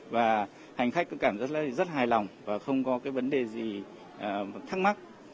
và hành khách cũng cảm giác rất là hài lòng và không có cái vấn đề gì thắc mắc